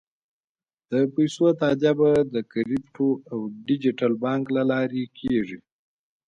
د پیسو تادیه به د کریپټو او ډیجیټل بانک له لارې کېږي.